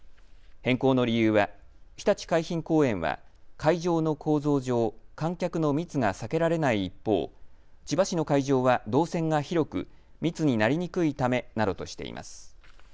変更の理由はひたち海浜公園は会場の構造上、観客の密が避けられない一方、千葉市の会場は動線が広く密になりにくいためなどとしています。